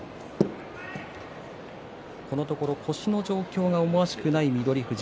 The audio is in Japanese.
このところ腰の状況が思わしくない翠富士。